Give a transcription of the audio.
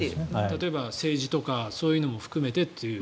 例えば政治とかそういうのも含めてという。